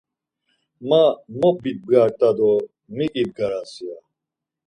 Ma mot bibgart̆a do mik ibgaras ya.